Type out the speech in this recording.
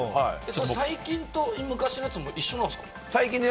最近と昔のやつも一緒なんですか？